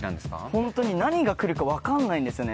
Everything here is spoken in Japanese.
ホントに何が来るか分かんないんですよね。